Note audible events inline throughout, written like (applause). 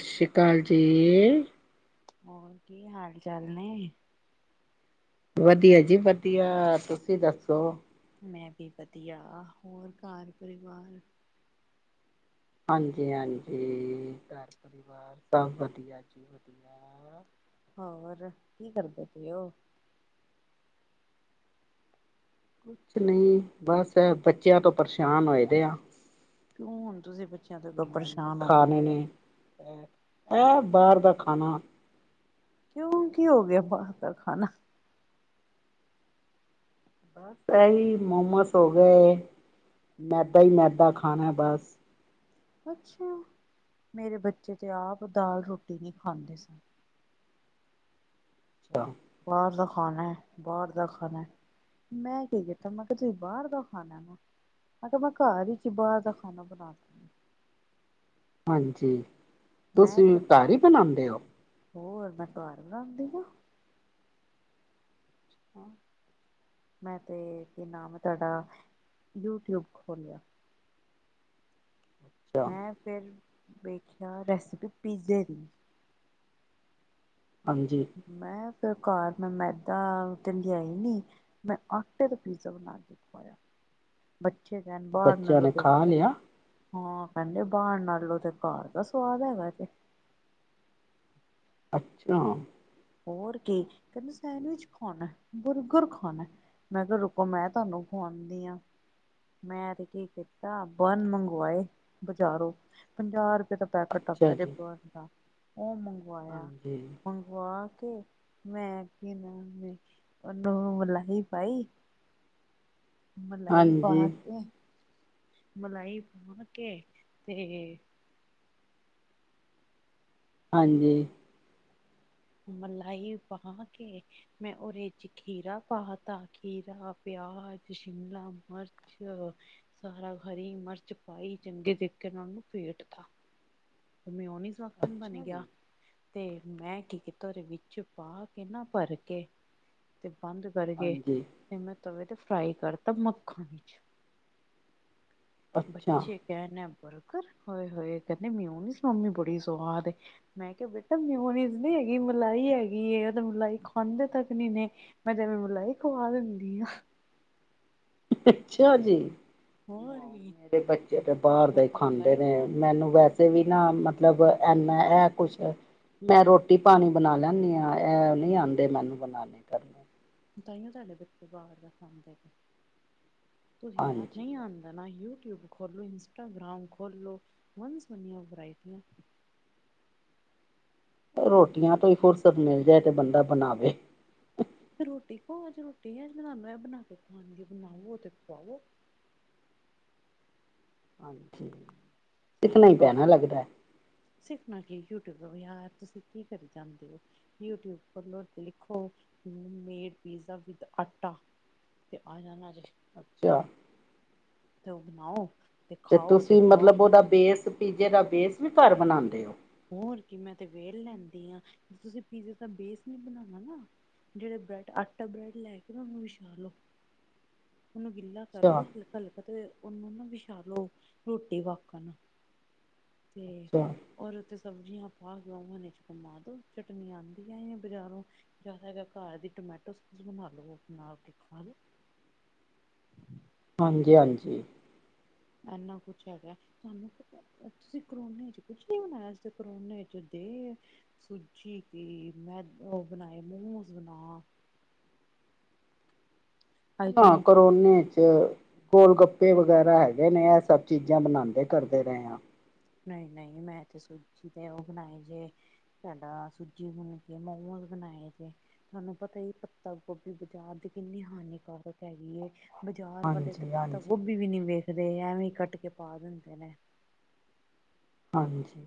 ਸਸ਼੍ਰੀ ਕਾਲ ਜੀ। ਹੋਰ ਕੀ ਹਾਲ ਚਾਲ ਨੇ? ਵਧੀਆ ਜੀ ਵਧੀਆ, ਤੁਸੀਂ ਦੱਸੋ? ਮੈਂ ਵੀ ਵਧੀਆ ਹੋਰ ਘਰ ਪਰਿਵਾਰ ਹਾਂਜੀ ਹਾਂਜੀ ਘਰ ਪਰਿਵਾਰ ਸਭ ਵਧੀਆ ਜੀ ਵਧੀਆ ਹੋਰ ਕੀ ਕਰਦੇ ਪਏ ਓ ਕੁਛ ਨਹੀਂ ਬਸ ਬੱਚਿਆਂ ਤੋਂ ਪਰੇਸ਼ਾਨ ਹੋਏ ਦੇ ਆਂ ਕਿਉਂ ਹੁਣ ਤੁਸੀਂ ਬੱਚਿਆਂ ਤੋਂ ਕਿਓਂ ਮੋਮੋਸ ਪਰੇਸ਼ਾਨ ਹੋ ਪਏ ਹੋ ਐ ਬਾਹਰ ਦਾ ਖਾਣਾ ਕਿਉਂ ਕੀ ਹੋ ਗਿਆ ਬਾਹਰ ਦਾ ਖਾਣਾ ਬਸ ਇਹੀ ਮੋਮੋਸ ਹੋ ਗਏ ਮੈਦਾ ਈ ਮੈਦਾ ਖਾਣਾ ਬਸ ਅੱਛਾ ਮੇਰੇ ਬੱਚੇ ਤੇ ਆਪ ਦਾਲ ਰੋਟੀ ਨਹੀਂ ਖਾਂਦੇ ਸਨ ਅੱਛਾ ਬਾਹਰ ਦਾ ਖਾਣਾ ਐ ਬਾਹਰ ਦਾ ਖਾਣਾ ਐ ਮੈਂ ਕੀ ਕੀਤਾ ਮੈਂ ਕਿਹਾ ਤੁਸੀਂ ਬਾਹਰ ਦਾ ਖਾਣਾ ਨਾ ਹਾਂ ਤੇ ਮੈਂ ਘਰ ਹੀ ਚ ਬਾਹਰ ਦਾ ਖਾਣਾ ਬਣਾ (unintelligible) ਹਾਂਜੀ ਮੈਂ ਤੁਸੀਂ ਤੇ ਵੀ ਘਰ ਈ ਬਣਾਉਂਦੇ ਓ ਹੋਰ ਮੈਂ ਘਰ ਬਣਾਉਂਦੀ ਆਂ ਹਾਂ ਮੈਂ ਤੇ ਕੀ ਨਾਮ ਐ ਤੁਹਾਡਾ ਯੂਟਿਊਬ ਖੋਲਿਆ ਅੱਛਾ ਮੈਂ ਫਿਰ ਵੇਖਿਆ ਰੈਸਿਪੀ ਪੀਜ਼ੇ ਦੀ ਹਾਂਜੀ ਮੈਂ ਤੇ ਘਰ ਮੈਂ ਮੈਦਾ ਤੇ ਲਿਆਈ ਨੀ ਮੈਂ ਆਟੇ ਦਾ ਪੀਜ਼ਾ ਬਣਾ ਕੇ ਖਵਾਇਆ ਬੱਚੇ ਕਹਿਣ ਬਾਹਰ ਬੱਚਿਆਂ ਨੇ ਖਾ (unintelligible) ਲਿਆ ਹਾਂ ਕਹਿੰਦੇ ਬਾਹਰ ਨਾਲੋਂ ਤੇ ਘਰ ਦਾ ਸਵਾਦ ਹੈਗਾ ਜੇ ਅੱਛਾ ਹੋਰ ਕੀ ਕਹਿੰਦੀ ਸੈਂਡਵਿਚ ਖਵਾਉਣਾ ਬੁਰਗਰ ਖਾਣਾ ਮੈਂ ਕਿਹਾ ਰੁਕੋ ਮੈਂ ਤੁਹਾਨੂੰ ਖਵਾਉਂਦੀ ਆਂ ਮੈਂ ਤੇ ਕੀ ਕੀਤਾ ਬਨ ਮੰਗਵਾਏ ਬਜ਼ਾਰੋਂ ਪੰਜਾਹ ਰੁਪਏ ਦਾ ਪੈਕੇਟ ਅੱਛਾ ਆਉਂਦਾ ਜੇ ਜੀ ਬੰਦ ਦਾ ਓ ਮੰਗਵਾਇਆ ਹਾਂਜੀ, (unintelligible) ਕੇ ਮੈਂ ਕੀ ਨਾ ਉਹਨੂੰ ਮਲਾਈ ਪਾਈ ਮਲਾਈ ਹਾਂਜੀ, ਪਾ ਕੇ ਮਲਾਈ ਪਾ ਕੇ ਤੇ ਹਾਂਜੀ ਮਲਾਹੀ ਪਾ ਕੇ ਮੈਂ ਉਹਦੇ ਚ ਖੀਰਾ ਪਾ ਤਾ ਖੀਰਾ ਪਿਆਜ ਸ਼ਿਮਲਾ ਮਰਚ (unintelligible) ਹਰੀ ਮਿਰਚ ਪਾਈ ਚੰਗੇ ਤਰੀਕੇ ਨਾਲ ਉਹਨੂੰ ਫ਼ੇਟਤਾ ਉਹ ਮਉਹਨੀਸ ਵਕਨ ਬਣ ਅੱਛਾ ਗਿਆ ਜੀ, ਤੇ ਮੈਂ ਕੀ ਕੀਤਾ ਉਹਦੇ ਵਿੱਚ ਪਾ ਕੇ ਨਾ ਭਰ ਕੇ ਤੇ ਬੰਦ ਕਰਕੇ ਹਾਂਜੀ, ਤੇ ਮੈਂ ਤਵੇ ਤੇ ਫਰਾਈ ਕਰਤਾ ਮੱਖਣ ਵਿੱਚ ਅੱਛਾ, ਬੱਚੇ ਕਹਿਣ ਐ ਬਰਗਰ ਹੋਏ ਹੋਏ ਕਹਿੰਦੇ (unintelligible) ਮਮੀ ਬੜੀ ਸਆਦ ਏ ਮੈਂ ਕਿਹਾ ਬੇਟਾ ਮਿਓਨੀਜ਼ ਨਹੀਂ ਹੈਗੀ ਮਲਾਈ ਹੈਗੀ ਏਹ ਤਾਂ ਮਲਾਈ ਖਾਂਦੇ ਤੱਕ ਨਹੀਂ ਨੇ ਮੈਂ ਜਿਵੇਂ ਮਲਾਈ ਖਵਾ ਦਿੰਦੀ ਹਾਂ ਅੱਛਾ ਜੀ ਹੋਰ ਨਾਂ ਕੀ ਮੇਰੇ ਬੱਚੇ ਤੇ ਬਾਹਰ ਮੈਂ ਦਾ ਈ ਤੈਨੂੰ ਖਾਂਦੇ ਮਲਾਈ ਨੇ ਖਵਾ ਦਿੰਦੀ, ਮੈਨੂੰ ਵੈਸੇ ਵੀ ਨਾ ਮਤਲਬ ਐਨਾ ਐ ਕੁਛ ਮੈਂ ਰੋਟੀ ਪਾਣੀ ਬਣਾ ਲੈਂਦੀ ਹਾਂ ਇਹ ਨਹੀਂ ਆਉਂਦੇ ਮੈਨੂੰ ਬਣਾਉਣੇ ਕਰਨ ਤਾਂਈਓ ਤੁਹਾਡੇ ਬੱਚੇ ਬਾਹਰ ਦਾ ਖਾਂਦੇ ਨੇ ਤੁਸੀ ਯਾਦ ਹਾਂਜੀ। ਨੀ ਆਂਦਾ ਨਾ ਯੂਟਿਊਬ ਖੋਲ ਲੋ ਇੰਸਟਾਗ੍ਰਾਮ ਖੋਲ ਲੋ। ਵਨ ਸੁਵੰਨੀਆਂ ਵਰਾਇਟੀਆਂ ਰੋਟੀਆਂ ਤੋਂ ਈ ਫੁਰਸਤ ਮਿਲ ਜਾਏ ਤੇ ਬੰਦਾ ਬਣਾਵੇ। ਫੇਰ ਰੋਟੀ ਖਾਓ ਅੱਜ ਰੋਟੀ ਅਜ ਬਣਾ ਮੈਂ ਬਣਾ ਕੇ ਖੁਆਂਦੀ ਬਣਾਵੋ ਤੇ ਖੁਵਾਵੋ। ਹਾਂਜੀ। ਸਿੱਖਣਾ ਈ ਪੈਣਾ ਲੱਗਦਾ ਐ। ਸਿੱਖਨਾ ਕੀ ਯੂਟਿਊਬ ਤੋਂ? ਯਾਰ ਤੁਸੀ ਕੀ ਕਰੀ ਜਾਂਦੇ ਓ? ਯੂਟਿਊਬ ਖੋਲੋ ਤੇ ਲਿਖੋ, ਮੇਡ ਪੀਜ਼ਾ ਵਿਦ ਆਟਾ। ਤੇ ਆ ਜਾਨਾ ਜੇ। ਚਾ। ਤੇ ਓ ਬਨਾਓ। ਤੇ ਤੁਸੀ ਮਤਲਬ ਓਦਾ ਬੇਸ ਪੀਜੇ ਦਾ ਬੇਸ ਵੀ ਘਰ ਬਣਾਂਦੇ ਓ। ਹੋਰ ਕੀ ਮੈਂ ਤੇ ਵੇਲ ਲੈਂਦੀ ਆਂ। ਤੁਸੀ ਪੀਜ਼ੇ ਦਾ ਬੇਸ ਨੀ ਬਨਾਨਾ ਨਾ ਜੇੜੇ ਬ੍ਰੈਡ ਆਟਾ ਬ੍ਰੈਡ ਲੈ ਕੇ ਨਾ ਓਨੂੰ ਵਿਛਾ ਲਓ। ਓਨੂੰ ਗਿੱਲਾ ਕਰ ਅੱਛਾ, ਲੋ ਹਲਕਾ ਹਲਕਾ ਤੇ ਓਨੂੰ ਨਾ ਵਿਛਾਾਲੋ ਰੋਟੀ ਵਾਕਣ। ਤੇ ਅੱਛਾ। ਔਰ ਓਰੇਤੇ ਸਬਜ਼ੀਆਂ ਪਾ ਕੇ ਔਵਨ ਇਚ ਬਨਾ ਦੋ। ਚਟਨੀਆਂ ਆਂਦੀਆਂ ਏਂ ਬਜਾਰੋਂ। ਜਾਦਾ ਹੈਗਾ ਏ ਘਰ ਦੀ ਟਮੈਟੋ ਸੋਸ ਬਨਾ ਲੋ ਨਾਲ ਤੇ ਖਾ ਲੋ। ਹਾਂਜੀ ਹਾਂਜੀ। ਐਨਾ ਕੁਛ ਹੈਗਾ ਐ। ਤੁਹਾਨੂੰ ਪਤਾ ਐ, ਤੁਸੀ ਕਰੋਨੇ ਚ ਕੁਛ ਨੀ ਬਨਾਏਆ? ਅਸੀ ਤੇ ਕਰੋਨੇ ਚ ਦੇ ਸੂਜੀ ਕੀ ਮੈਦ ਓ ਬਨਾਏ ਮੋਮੋਸ ਬਨਾ। ਅੱਜ ਨਾ ਤੇ ਮੋ ਕ ਕਰੋਨੇ ਚ ਗੋਲ ਗੱਪੇ ਵਗੈਰਾ ਹੈਗੇ ਨੇ ਐ ਸਭ ਚੀਜਾਂ ਬਨਾਂਦੇ ਕਰਦੇ ਰਏ ਆਂ। ਨਈ ਨਈ ਮੈਂ ਤੇ ਸੂਜੀ ਦੇ ਓ ਬਣਾਏ ਜੇ ਤਾਡਾ ਸੂਜੀ ਮੁਨ ਕੇ ਮੋਮੋਜ਼ ਬਣਾਏ ਜੇ। ਤਾਨੂੰ ਪਤਾ ਈ ਪੱਤਾ ਗੋਭੀ ਬਜਾਰ ਦੀ ਕਿੰਨੀ ਹਾਨੀਕਾਰਕ ਹੈਗੀ ਏ। ਬਜਾਰ ਵਾਲੇ ਤੇ ਹਾਂਜੀ ਪੱਤਾ ਹਾਂਜੀ ਗੋਭੀ ਵੀ ਨੀ ਵੇਖਦੇ ਐਵੇਂ ਈ ਕੱਟ ਕੇ ਪਾ ਦੇਂਦੇ ਨੇ। ਹਾਂਜੀ।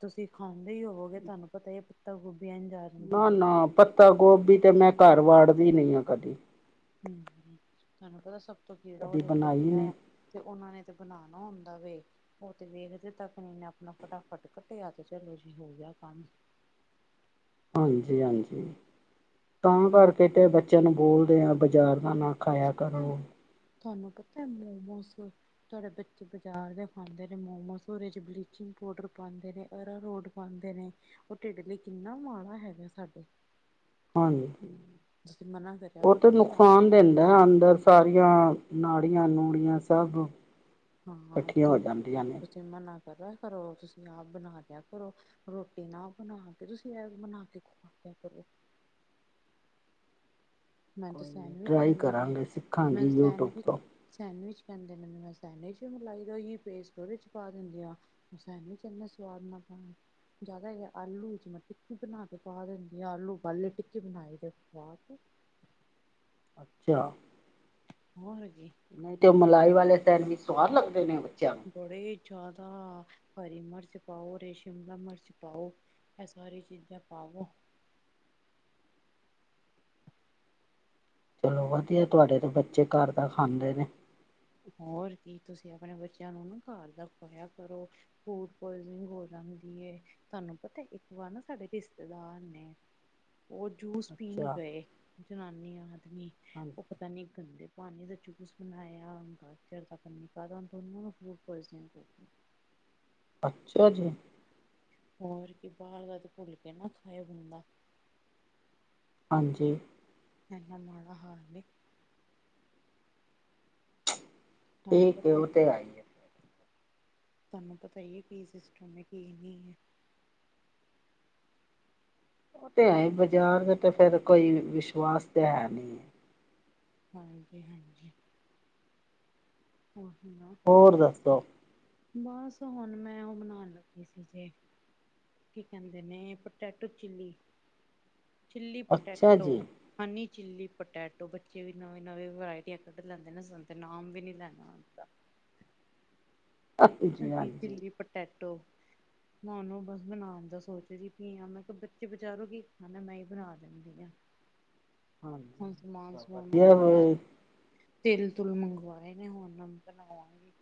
ਤੁਸੀ ਖਾਂਦੇ ਈ ਹੋਵੋਗੇ। ਤਾਨੂੰ ਪਤਾ ਈ ਏ ਪੱਤਾ ਗੋਭੀ ਐਂਜ ਆ ਨਾ ਜਾਂਦੀ ਏ ਨਾ ਪੱਤਾ ਗੋਭੀ ਤੇ ਮੈਂ ਘਰ ਵਾੜਦੀ ਨੀ ਆ ਕਦੀ। ਹੂੰ। ਤਾਨੂੰ ਪਤਾ ਸਭ ਤੋਂ ਕੀੜਾ ਕਦੀ ਔਰੇ ਚ ਬਣਾਈ ਹੁੰਦਾ ਨਹੀਂ ਐ। ਤੇ ਔਨਾਂ ਨੇ ਤੇ ਬਨਾਨਾ ਹੁੰਦਾ ਵੇ। ਓ ਤੇ ਵੇਖਦੇ ਤੱਕ ਨੀ ਨੇ ਅਪਣਾ ਫਟਾਫਟ ਕਟੇਆ ਤੇ ਚਲੋ ਜੀ ਹੋ ਗਯਾ ਕੰਮ। ਹਾਂਜੀ ਹਾਂਜੀ, ਤਾਂ ਕਰਕੇ ਤੇ ਬੱਚੇਆਂ ਨੂੰ ਬੋਲਦੇ ਆਂ, ਬਜਾਰ ਦਾ ਨਾ ਖਾਏਆ ਪਤਾ ਹੈ ਕਰੋ। ਤੁਹਾਨੂੰ ਪਤਾ ਐ ਮੋਮੋਸ ਤਾਡੇ ਬੱਚੇ ਬਜਾਰ ਦੇ ਖਾਂਦੇ ਨੇ ਮੋਮੋਸ, ਓਦੇ ਚ ਬਲੀਚਿੰਗ ਪੋਡਰ ਪਾਂਦੇ ਨੇ। ਅਰਾਰੋਟ ਪਾਂਦੇ ਨੇ। ਓ ਢੇਡ ਲਈ ਕਿੰਨਾ ਮਾੜਾ ਹੈਗਾ ਐ ਸਾਡੇ। ਹਾਂਜੀ। ਤੁਸੀ ਮਨਾ ਕਰੇਆ ਕਰੋ। ਤੁਸੀ ਆਪ ਹੈਂ ਅੰਦਰ ਸਾਰੀਆਂ ਨਾੜੀਆਂ- ਨੂੜੀਆਂ ਸਭ। ਕੱਠੀਆਂ ਹੋ ਜਾਂਦੀਆਂ ਨੇ। ਤੇ ਮਨਾ ਕਰੇਆ ਕਰੋ। ਤੁਸੀ ਆਪ ਬਣਾ ਲੇਆ ਕਰੋ। ਰੋਟੀ ਨਾ ਬਣਾ ਕੇ, ਤੁਸੀ ਐ ਬਣਾ ਕੇ ਖਵਾ ਦੇਆ ਕਰੋ। ਮੈਨ ਤੇ ਕੋਈ ਨਹੀਂ ਸੈਂਡਵਿਚ ਟਰਾਈ ਕੈਂਦੇ ਨੇ, ਕਰਾਂਗੇ ਮੈ ਸਿੱਖਾਂਗੀ ਯੂਟਿਊਬ ਸੈਂਡਵਿਚ ਤੋਂ ਸੈਂਡਵਿਚ ਕਹਿੰਦੇ ਨੇ, ਮੈ ਸੈਂਡਵਿਚ ਮਲਾਈ ਦਾ ੳਹੀ ੳ ਪੇਸਟ ਉਹਦੇ ਚ ਪਾ ਦਿੰਦੇ ਆ। ਸੈਡਵਿਚ ਕਿ ਇੰਨਾ ਸਵਾਦ ਨਾ ਪਾਣਾ। (unintelligible) ਜ਼ਿਆਦਾ ਹੇਗਾ ਆਲੂ ਵਿੱਚ ਮੈ ਟਿੱਕੀ ਬਨਾ ਕੇ ਪਾ ਦਿਂਦੀ ਆ। ਆਲੂ ਉਬਾਲੇ ਟਿੱਕੀ ਬਨਾਈ ਤੇ ਪਾ ਤੀ। ਅੱਛਾ। ਮਹਰ ਕੀ (unintelligible) (unintelligible) ਨਹੀਂ ਤੇ ੳਹ ਮਲਾਈ ਵਾਲੇ ਸੈਡਵੀਚ ਸਵਾਦ ਲੱਗਦੇ ਨੇ ਬੱਚਿਆਂ ਨੂੰ? ਬੜੇ ਜੈਦਾ ਹਰੀ ਮਰਚ ਪਾਓ ਰੇ ਸ਼ਿਮਲਾ ਮਰਚ ਪਾਓ। ਇਹ ਸਾਰੀ ਚੀਜ਼ਾਂ ਪਾਵੋ। ਚਲੋ ਵਧੀਆ ਤੁਹਾਡੇ ਤੋਂ ਬੱਚੇ ਘਰ ਦਾ ਖਾਂਦੇ ਨੇ। ਹੋਰ ਕੀ ਤੁਸੀਂ ਅਪਣੇ ਬੱਚਿਆਂ ਨੂੰ ਨਾ ਘਰ ਦਾ ਖਵਾਇਆ ਕਰੋ। ਫੂਡ ਪਾੱਇਜ਼ਨਿੰਗ ਹੋ ਜਾਂਦੀ ਏ। ਤੁਹਾਨੂ ਪਤਾ ਇੱਕ ਵਾਰ ਨਾ ਸਾਡੇ ਰਿਸ਼ਤੇਦਾਰ ਨੇ ਉਹ ਜੂਸ ਪੀਨ ਅੱਛਾ ਗਏ ਜਨਾਨੀ-ਆਦਮੀ ਹਾਂਜੀ ਉਹ। ਪਤਾ ਨੀ ਗੰਦੇ ਪਾਨੀ ਦਾ ਜੂਸ ਬਨਾਇਆ। ਕਚਰ ਤਾਂ ਪ ਹੁਣ ਤੁਹਾਨੂੰੂ (unintelligible) (unintelligible) ਅੱਛਾ ਜੀ। ਹੋਰ ਕੀ ਬਾਹਰ ਦਾ ਤੇ ਭੁੱਲ ਕੇ ਨਾ ਖਾਏ ਬੰਦਾ। ਹਾਂਜੀ। ਏਨਾਂ ਮਾੜਾ ਹਾਲ ਵੇ। ਤੁਹਾਨੂੰ ਠੀਕ ਏ ਪਤਾ ਉਹ ਈ ਤੇ ਹੈ ਹੀ। ਹੈ ਤੁਹਾਨੂੰ ਪਤਾ ਹੀ ਏ ਕੀ ਸਿਸਟਮ ਏ, ਕੀ ਨੀ ਏ? ਉਹ ਤੇ ਹੈ, ਬਾਜ਼ਾਰ ਦਾ ਤਾਂ ਫੇਰ ਕੋਈ ਵਿਸ਼ਵਾਸ ਤੇ ਹੈ ਨਹੀਂ। ਹਾਂਜੀ, ਹਾਂਜੀ। ਹ ਹ (unintelligible) (unintelligible) ਹੋਰ ਦੱਸੋ? ਬਸ ਹੁਨ ਮੈਂ ਉਹ ਬਨਾਨ ਲੱਗੀ ਸੀ ਜੇ। ਕੀ ਕਹਿੰਦੇ ਨੇ? ਪਟੈਟੋ ਚਿੱਲੀ- ਚਿੱਲੀ ਅੱਛਾ ਪਟੈਟੋ ਜੀ ਹਨੀ ਚਿੱਲੀ ਪਟੈਟੋ, ਬੱਚੇ ਵੀ ਨਵੇਂ - ਨਵੇਂ ਵਰਾਇਟੀਆਂ ਕੱਢ ਲੈਂਦੇ। ਸਾਨੂੰ ਤੇ ਨਾਮ ਵੀ ਨੀ ਲੈਨਾ ਆਂਦਾ। ਹਾਂਜੀ ਹਨੀ ਹਾਂਜੀ ਚਿੱਲੀ ਪਟੈਟੋ ਮੈਂ ਉਹਨੂੰ ਬਸ ਬਨਾਨ ਦਾ ਸੋਚਦੀ ਪੀ ਆ। ਮੈਂ ਕਿਹਾ, ਬੱਚੇ ਬਜਾਰੋ ਕੀ ਖਾਂਨਾ, ਮੈਂ ਹੀ ਬਨਾ ਦਿੰਦੀ ਆ। ਹੁਨ ਹਾਂਜੀ ਸਮਾਨ ਚਲੋ -ਸਮੁਨ ਵਧੀਆ ਮੰਗਵਾਇਆ। ਤਿਲ- ਤੁਲ ਮੰਗਵਾਏ ਨੇ, ਹੁਨ ਮੈ ਬਨਾਵਾਂਗੀ।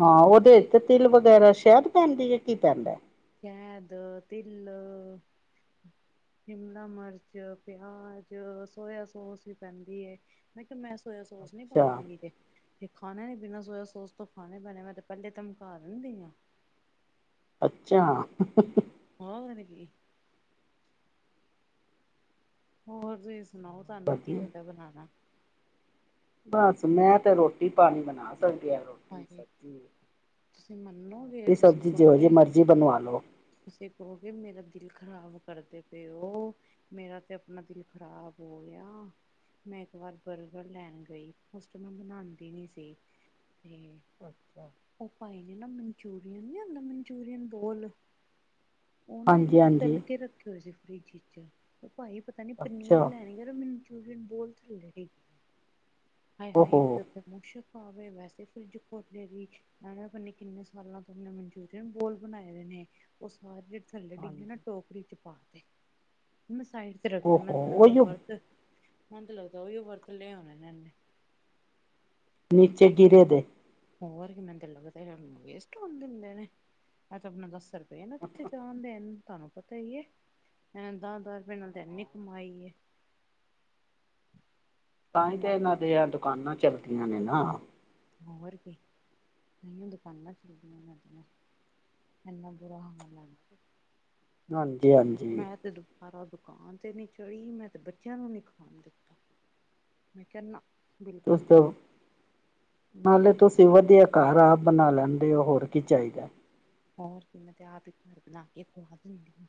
ਹਾਂ ਉਹਦੇ ਇਚ ਤੇ ਤਿਲ ਵਗੈਰਾ ਸ਼ਹਿਦ ਪੈਂਦੀ ਹੈ, ਕੀ ਪੈਂਦਾ? ਕੈਦ, ਤਿਲ ਸ਼ਿਮਲਾ ਮਰਚ, ਪਿਆਜ, ਸੋਇਆ ਸੋਸ ਵੀ ਪੈਂਦੀ ਏ। ਮੈਂ ਕਿਹਾ, ਮੈਂ ਸੋਇਯਾ ਸੋਸ ਨੀ ਅੱਛਾ ਪਾਵਾਂਗੀ ਤੇ। ਤੇ ਖਾਣੇ ਬਿਨਾਂ ਸੋਇਆ ਸੋਸ ਤੋਂ ਖਾਣੇ ਪੈਣੇ। ਮੈਂ ਤੇ ਪਹਿਲੇ ਧਮਕਾ ਦਿੰਦੀ ਹਾਂ। ਅੱਛਾ। ਹਾਂ ਹੋਰ ਕੀ ਹੋਰ ਤੁਜੀ ਸੁਣਾਓ ਤੁਹਾਨੂੰ ਕੀ ਵਧੀਆ ਆਂਦਾ ਬਨਾਣਾ। ਬਸ ਮੈਂ ਤੇ ਰੋਟੀ- ਪਾਨੀ ਬਨਾ ਸਕਦੀ ਹਾਂ ਰੋਟੀ ਹਾਏ। ਸਬਜ਼ੀ। ਤੁਸੀਂ ਮੰਨੋਗੇ ਤੁਸੀਂ ਕਹੋਗੇ। ਜੀ ਬਨਵਾ ਲਓ ਜੀ। ਤੁਸੀਂ ਕਹੋਗੇ ਮੇਰਾ ਦਿਲ ਖ਼ਰਾਬ ਕਰਦੇ ਪਏ ੳ। ਮੇਰਾ ਤੇ ਅਪਨਾ ਦਿਲ ਖ਼ਰਾਬ ਹੋ ਗਿਆ। ਮੈਂ ਏਕ ਵਾਰ ਬਰਗਰ ਲੈਣ ਗਈ, ਓਸ ਤੇ ਮੈਂ ਬਣਾਦੀ ਨੀ ਸੀ, ਤੇ (inaudible) ੳ ਪਾਈ ਨੇ ਨਾ ਮਨਚੂਰੀਅਨ ਨੀ ਹੁੰਦਾ ਮਨਚੂਰੀਅਨ ਗੋਲ ਓਨਾ ਹਾਂਜੀ ਏਜ ਤਾਲ ਹਾਂਜੀ ਕੇ ਰੱਖੇ ਹੋਏ ਸੀ ਫਰੀਜ ਵੀਚ, ਓ ਭਾਈ ਪਤਾ ਨੀ ਪੀਨੀਆ ਅੱਛਾ ਲੈਣ ਯਾਰ ਮੰਚੂਰੀਅਨ ਬੋਤ ਢਿੱਲੇ ਹੀ, ਹਏ ਹਾਏ ਓਹੋ ਏਕ ਮੁਸਕ ਆਵੇ ਵੈਸੇ ਫਰਿੱਜ ਖੋਲੇ ਵੀ, ਮੈ ਕੇਆ ਐਨਾ ਕੀਨੇ ਸਾਲਾਂ ਤੋਂ ਮਨਚੂ ਯਾ ਬੋਲ ਬਣਾਏ ਦੇ ਨੇ ਓ ਸਾਰੇ ਜੇੜੇ ਥੱਲੇ ਡੀਗੇ ਹਾਂਜੀ। ਨਾ ਟੋਕਰੀ ਚ ਪਾ ਤੇ, ਮੈ ਸਾਈਡ ਤੇ ਰਖਤੇ ਮੈ ਓਹੋ ਤੇ ਲੱਗਦਾ ਉਹੀਓ ਵਰਤ, ਮੇਨੋ ਲੱਗਦਾ ਓਈਓ ਵਰਤ ਲੇ ਹੋਣੇ ਏਨੇ। ਨੀਚੇ ਗੀਰੇ ਦੇ ਹੋਰ ਕੇ ਮੈਨੂੰ ਤੇ ਲੱਗਦਾ ਵੇਸਟ ਹੋਣ ਦੇਂਦੇ ਨੇ, ਆ ਆਪਣਾ ਦਸ ਰੁ ਪਏ ਨਾ ਕੀਥੇ ਜਾਣ ਦੇਨ ਧਾਨੂੰ ਪਤਾ ਈ ਐ ਏਨਾ ਨੂੰ ਦਹ-ਦਹ ਰੁਪਏ ਨਾਲ ਤਾਂ ਏਨੀ ਕਮਾਈ ਐ। (inaudible) ਤਾਹੀ ਤੇ ਨਾਂ ਦੀਆ ਦੁਕਾਨਾਂ ਚਲਗੀਆਂ ਨੇ ਨਾ। ਹੋਰ ਕੀ, ਤਾਈਓ ਦੁਕਾਨਾਂ ਚੱਲਦੀਆਂ ਏਨਾ ਦੀਆਂ। ਏਨੁਾਂ ਬੁਰਾ ਹਾਲ ਐ ਏਨਾ ਦਾ। ਹਾਂਜੀ-ਹਾਜੀ। ਤੇ ਦੁਬਾਰਾ ਓ ਦੁਕਾਨ ਤੇ ਨੀ ਚੜ੍ਹੀ ਮੈਂ ਤੇ ਬੱਚੇਆਂ ਨੂੰ ਨੀ ਖਾਣ ਦੀਤਾ। ਮੈਂ ਕੇਆ ਨਾ ਵੀ (unintelligible) ਨਾਲੇ ਤੁਸੀਂ ਵਧੀਆ ਕਾਰ ਆਪ ਬਣਾ ਲੈਂਦੇ ਓ ਹੋਰ ਕੀ ਚਾਈਦਾ ਐ। ਹੋਰ ਕੀ ਮੈ ਤੇ ਆਪ ਹੀ ਕਾਰ ਬਣਾ ਕੇ ਖਵਾ ਦੇਦੀ ਆਂ।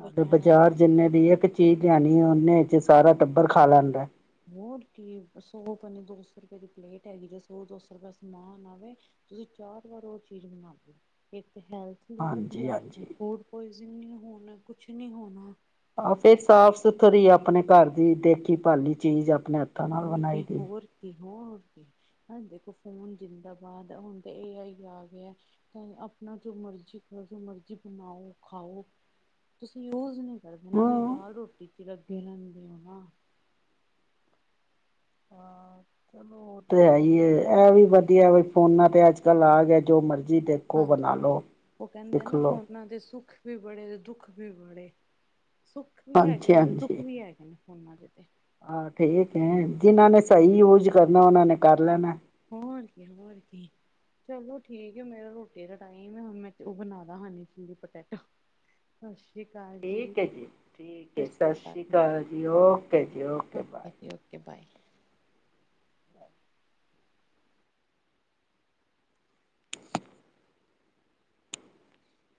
ਹਾਡੇ ਬੱਚਿਆਂ ਨੇ ਬਾਜ਼ਾਰ ਜੀਨੇ ਦੀ ਏਕ ਚੀਜ਼ ਲੇਆਣੀ ਹੈ ਓਨੇ ਚ ਸਾਰਾ ਟੱਬਰ ਖਾ ਲੈਂਦਾ ਐ। ਹੋਰ ਕੀ, ਸੌ ਪਾ ਨੀ ਦੋਸੌ ਰੁਪਏ ਦੀ ਪਲੇਟ ਹੈਗੀ ਸੌ-ਦੋ ਸੋ ਦਾ ਸਮਾਨ ਆਵੇ ਤੁਸੀਂ ਚਾਰ ਵਾਰ ਓ ਚੀਜ਼ ਬਣਾਓ ਏਕ ਹੈਲਥ ਲੀ ਹਾਂਜੀ ਵਧੀਆ ਹਾਂਜੀ। ਹੋਰ ਕੁਜ ਨੀ ਹੋਣਾ ਕੁਛ ਨੀ ਹੋਣਾ। ਆ ਫੇਰ ਸਾਫ-ਸੁਥਰੀ ਆਪਣੇ ਘਰ ਦੀ ਦੇਖੀ-ਭਾਲੀ ਚੀਜ਼ ਆਪਣੇ ਹਾ ਹੋਰ ਕੀ ਹੋਰ ਕੀ ਹੋਰ ਕੇ। ਹਰ ਦੇਖੋ ਫੋਨ ਜੀਦਾਬਾਦ ਹੁਣ ਤੇ ਏ ਆਈ ਆ ਗੇਆ ਚੈ ਆਪਣਾ ਜੋ ਮਰਜ਼ੀ ਕਰੋ ਜੋ ਮਰਜ਼ੀ ਬਣਾਓ ਖਾਓ ਤੁਸੀਂ ਰੋਜ਼ ਨੀ ਐਦੇ ਨਾ ਤੁਹੀ ਹਾਂ ਦਾਲ-ਰੋਟੀ ਚ ਲੱਗੇ ਰੈਂਦੇ ਹੋ ਨਾ। (inaudible) ਚਲੋ ਉਹ ਤੇ ਐਈਏ ਐ ਵੀ ਵਧੀਆ ਫੋਨਾ ਤੇ ਅੱਜ-ਕੱਲ ਆ ਗੇਆ ਜੋ ਮਰਜੀ ਦੇ ਹਾਂ ਓ ਕੈਂਦੇ ਨਾ ਫੋਨਾਂ ਦੇ ਸੁੱਖ ਵੀ ਬੜੇ ਤੇ ਦੁੱਖ ਵੀ ਬੜੇ ਸੁੱਖ ਵੀ ਹੈਗੇ ਹਾਂਜੀ ਨੇ ਦੁੱਖ ਹਾਂਜੀ ਵੀ ਹੈਗੇ ਨੇ ਫੋਨਾਂ ਦੇ ਤੇ। ਹਾਂ ਠੀਕ ਐ ਜੀਨਾ ਨੇ ਸਈ ਯੂ੍ਜ ਕਰਨਾ ਓਨਾਂ ਨੇ ਕਰ ਲੈਣਾ ਐ ਹੋਰ ਕੀ ਏ ਹੋਰ ਕੀਏ। ਚਲੋ ਠੀਕ ਏ ਮੇਰਾ ਰੋਟੀ ਦਾ ਟਾਈਮ ਐ ਹੁਨ ਮੈਂ ਓ ਬਣਾਲਾ ਹਨੀ ਫੂਡ ਪੈਟੈਟੋ। ਸ਼ਸ਼ੀ ਕਾਲ ਠੀਕ ਏ ਜੀ ਠੀਕ ਏ ਸ਼ਸ਼ੀ ਕਾਲ ਜੀ ਓਕੇ ਜੀ ਓਕੇ ਬਾਏ। Okay bye.